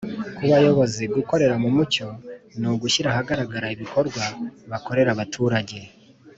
Ku bayobozi, gukorera mu mucyo ni ugushyira ahagaragara ibikorwa bakorera abaturage,